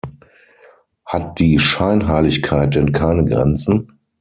Hat die Scheinheiligkeit denn keine Grenzen?